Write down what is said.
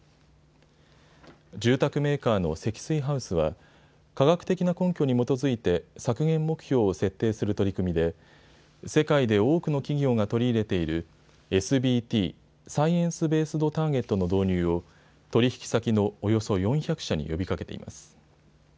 住宅メーカーの積水ハウスは科学的な根拠に基づいて削減目標を設定する取り組みで世界で多くの企業が取り入れているＳＢＴ・サイエンス・ベースド・ターゲットの導入を取引先のおよそ４００社に呼びかけています。